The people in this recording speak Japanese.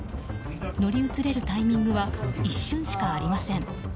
乗り移れるタイミングは一瞬しかありません。